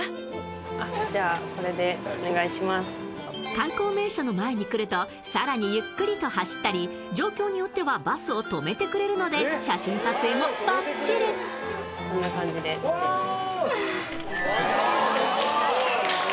観光名所の前に来るとさらにゆっくりと走ったり状況によってはバスを止めてくれるので写真撮影もばっちりうわー！